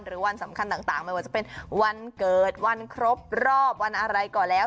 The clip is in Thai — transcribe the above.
วันสำคัญต่างไม่ว่าจะเป็นวันเกิดวันครบรอบวันอะไรก่อนแล้ว